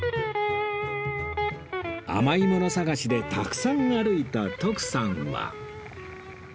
甘いもの探しでたくさん歩いた徳さんは